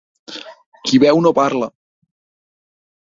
Qui beu no parla.